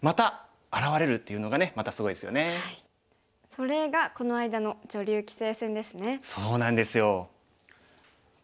それがこの間の女流棋聖戦ですね。